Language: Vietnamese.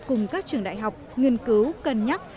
cùng các trường đại học nghiên cứu cân nhắc